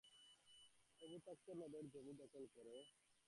কপোতাক্ষ নদের জমি দখল করে মাছের আড়ত তৈরির গুরুতর অভিযোগ পাওয়া গেছে।